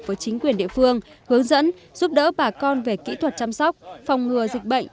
với chính quyền địa phương hướng dẫn giúp đỡ bà con về kỹ thuật chăm sóc phòng ngừa dịch bệnh